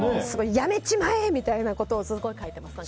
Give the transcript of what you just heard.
やめちまえ！みたいなことをずっと書いてます。